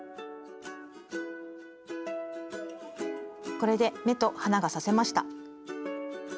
これで目と鼻が刺せました。